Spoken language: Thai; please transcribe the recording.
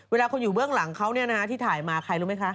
เวลาคนอยู่เบื้องหลังเขาที่ถ่ายมาใครรู้ไหมคะ